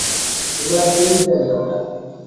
ঘোড়ার ডিম জানি আমরা।